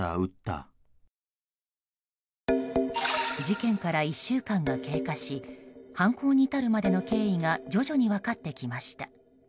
事件から１週間が経過し犯行に至るまでの経緯が徐々に分かってきました。